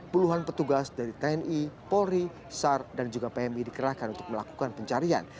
puluhan petugas dari tni polri sar dan juga pmi dikerahkan untuk melakukan pencarian